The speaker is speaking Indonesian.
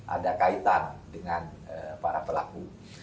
ada kaitan dengan para pelaku